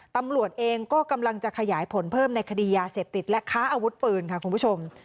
ตำรวจเองก็กำลังจะขยายผลเพิ่มในคดียาเสพติดและค้าอาวุธปืนค่ะคุณผู้ชม